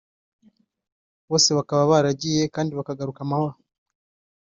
Bose bakaba baragiye kandi bakagaruka amahoro